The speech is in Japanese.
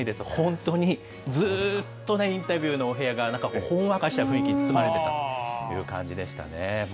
本当にずーっとね、インタビューのお部屋がなんかほんわかした雰囲気に包まれていたという感じでしたね。